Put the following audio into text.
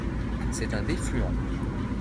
C'est un défluent.